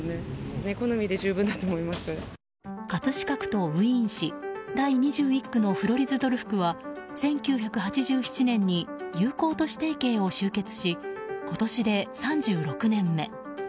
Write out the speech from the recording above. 葛飾区とウィーン市第２１区のフロリズドルフ区は１９８７年に友好都市提携を終結し今年で３６年目。